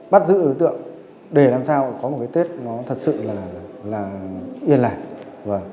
bắt giữ đối tượng để làm sao có một cái tết thật sự yên lành